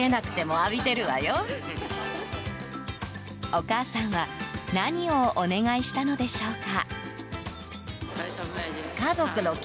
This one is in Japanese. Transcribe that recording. お母さんは何をお願いしたのでしょうか？